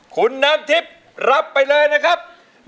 คุณน้ำทิพย์รับไปเลยนะครับ